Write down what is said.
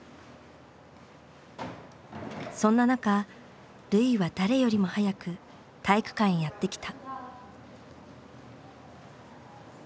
そんな中瑠唯は誰よりも早く体育館へやって来た。